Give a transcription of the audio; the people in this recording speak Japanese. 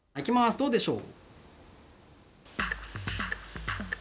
どうでしょう。